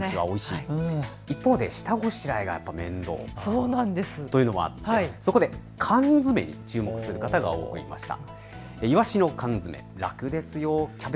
一方で下ごしらえが面倒というのもあってそこで缶詰に注目する方も多くいました。